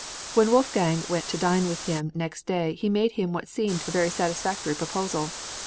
When Wolfgang went to dine with him next day he made him what seemed a very satisfactory proposal.